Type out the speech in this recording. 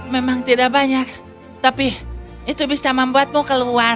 memang tidak banyak tapi itu bisa membuatmu keluar